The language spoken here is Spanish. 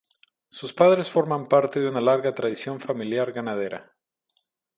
Sus padres forman parte de una larga tradición familiar ganadera.